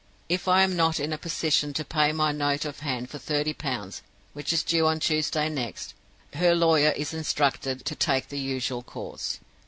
If I am not in a position to pay my note of hand for thirty pounds, which is due on Tuesday next, her lawyer is instructed to 'take the usual course.